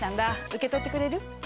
受け取ってくれる？